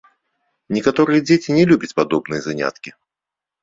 Некаторыя дзеці не любяць падобныя заняткі.